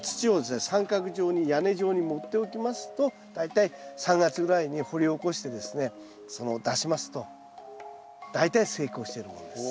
三角状に屋根状に盛っておきますと大体３月ぐらいに掘り起こしてですね出しますと大体成功しているものです。